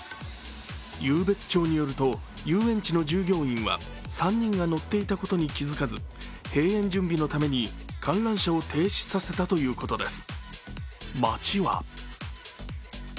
湧別町によると、遊園地の従業員は３人が乗っていたことに気づかず閉園準備のために観覧車を停止させたということです。